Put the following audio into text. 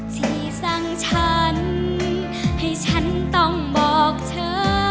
ที่สั่งฉันให้ฉันต้องบอกเธอ